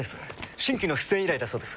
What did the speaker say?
新規の出演依頼だそうです。